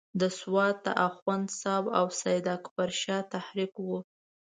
د سوات د اخوند صاحب او سید اکبر شاه تحریک وو.